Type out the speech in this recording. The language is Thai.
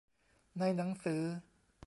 ในหนังสือ